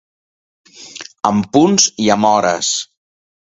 Amb punts i amb hores.